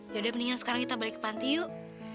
yaudah mendingan sekarang kita balik ke panti yuk